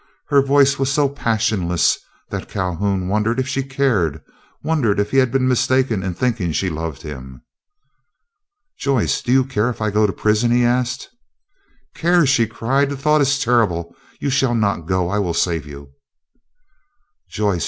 Her voice was so passionless that Calhoun wondered if she cared, wondered if he had been mistaken in thinking she loved him. "Joyce, do you care if I go to prison?" he asked. "Care?" she cried. "The thought is terrible. You shall not go, I will save you." "Joyce!